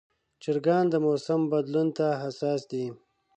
چرګان د موسم بدلون ته حساس دي.